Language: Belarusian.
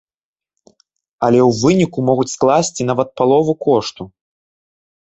Але ў выніку могуць скласці нават палову кошту.